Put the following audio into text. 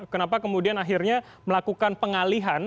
kenapa kemudian akhirnya melakukan pengalihan